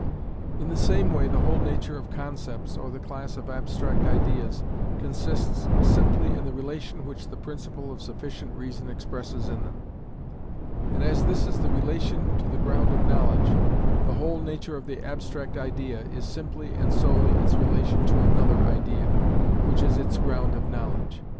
In the same way the whole nature of concepts, or the class of abstract ideas, consists simply in the relation which the principle of sufficient reason expresses in them; and as this is the relation to the ground of knowledge, the whole nature of the abstract idea is simply and solely its relation to another idea, which is its ground of knowledge.